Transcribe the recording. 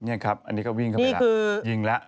นี่ครับอันนี้ก็วิ่งเข้าไปแล้วยิงแล้ว